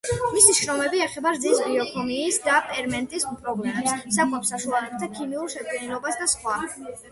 მისი შრომები ეხება რძის ბიოქიმიის და ფერმენტების პრობლემებს, საკვებ საშუალებათა ქიმიურ შედგენილობას და სხვა.